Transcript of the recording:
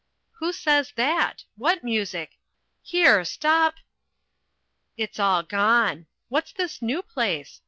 Who says that? What music? Here, stop It's all gone. What's this new place?